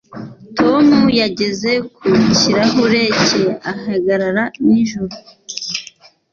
Tom yageze ku kirahure cye ahagarara nijoro